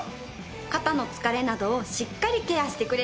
肩の疲れなどをしっかりケアしてくれるの。